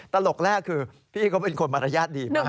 ตลกแรกคือพี่เขาเป็นคนมารยาทดีมาก